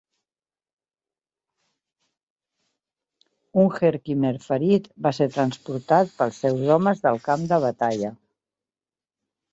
Un Herkimer ferit va ser transportat pels seus homes del camp de batalla.